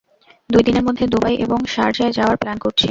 দুই দিনের মধ্যে দুবাই এবং শারজায় যাওয়ার প্ল্যান করছি।